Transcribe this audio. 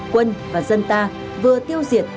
quân và dân ta vừa tiêu diệt